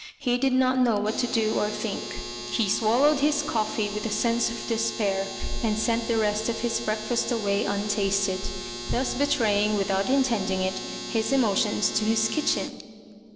He did not know what to do or to think. He swallowed his coffee with a sense of despair, and sent the rest of his breakfast away untasted; thus betraying, without intending it, his emotions to his kitchen.